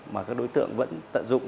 mà các đối tượng vẫn tận dụng